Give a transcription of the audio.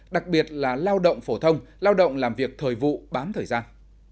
đặc biệt là lao động phổ thông lao động làm việc thời vụ bám thời gian